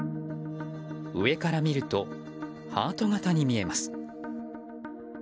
上から見るとハート形に見えます。